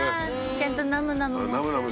ちゃんとナムナムもしてね。